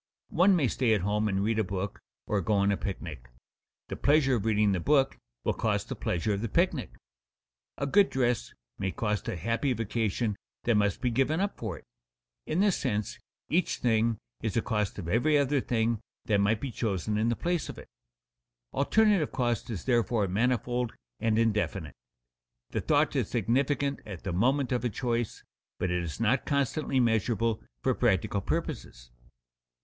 One may stay at home and read a book or go on a picnic; the pleasure of reading the book will cost the pleasure of the picnic. A good dress may cost a happy vacation that must be given up for it. In this sense, each thing is a cost of every other thing that might be chosen in the place of it. Alternative cost is therefore manifold and indefinite. The thought is significant at the moment of a choice, but it is not constantly measurable for practical purposes.